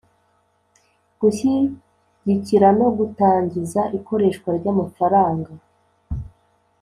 Gushyigikira no gutangiza ikoreshwa ry amafaranga